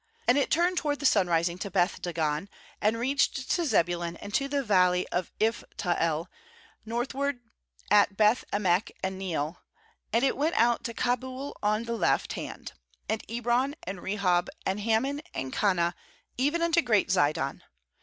27Ajnd it turned toward the sunrising to Beth dagon, and reached to Zebulun and to the valley of Iphtah el northward at Beth emek and Neiel; and it went out to Cabul on the left hand, 28and Ebron, and Rehob, and Hammon, and Kanah, even unto great Zidon.